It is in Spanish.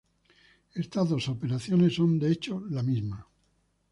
Estas dos operaciones son, de hecho, la misma.